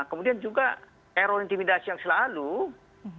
kemudian juga error intimidasi yang selalu dilakukan oleh penyandang